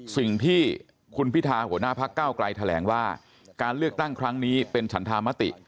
สิ่งที่คุณพิธาหัวหน้าพักเก้าไกลแถลงว่าการเลือกตั้งครั้งนี้เป็นฉันธามติ